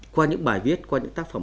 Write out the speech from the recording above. qua những bài viết qua những tác phẩm